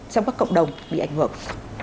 trong các cộng đồng bị ảnh hưởng